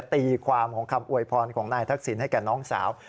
ตีความของคำอวยพรของนายทักษิณให้แก่น้องสาว